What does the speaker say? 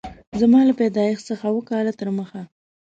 زما له پیدایښت څخه اووه کاله تر مخه